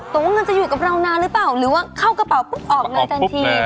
ว่าเงินจะอยู่กับเรานานหรือเปล่าหรือว่าเข้ากระเป๋าปุ๊บออกงานทันที